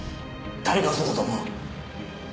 誰が嘘だと思う？